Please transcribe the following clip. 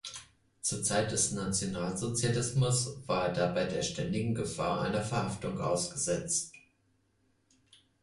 Zur Zeit des Nationalsozialismus war er dabei der ständigen Gefahr einer Verhaftung ausgesetzt.